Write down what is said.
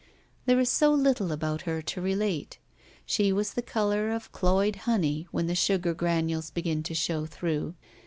There is so little about her to relate. She was the color of cloyed honey when the sugar granules begin to show through.